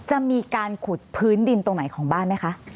จะมีการขุดพื้นดินตรงไหนของบ้านไหมคะ